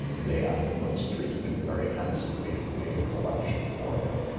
They afterwards treated him very handsomely, and made a collection for him.